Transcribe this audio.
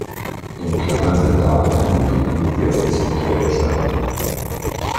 In Klammern sind Daten angegeben, die aus echten Quellen stammen.